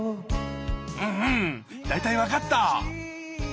うんうん大体分かった。